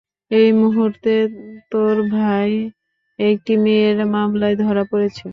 এই মুহুর্তে, তোরর ভাই একটি মেয়ের মামলায় ধরা পড়েছে।